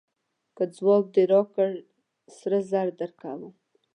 که ځواب دې راکړ سره زر درکوم.